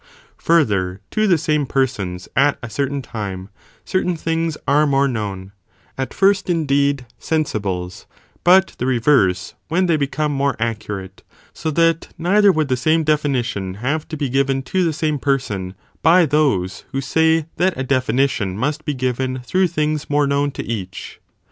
Further, to the same persons at a certain time, certain things are more known, at first indeed sensibles, but the reverse when they become more accurate, so that neither would the same definition have to be given to the same person, by those who say that a de finition must be given through things more known to each.